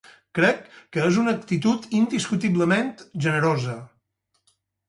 Crec que és una actitud indiscutiblement generosa.